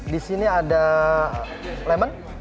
di sini ada lemon